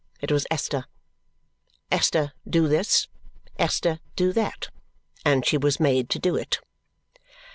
It was Esther. 'Esther, do this! Esther, do that!' and she was made to do it."